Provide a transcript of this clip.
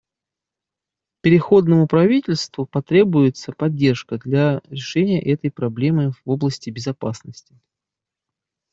Переходному правительству потребуется поддержка для решения этой проблемы в области безопасности.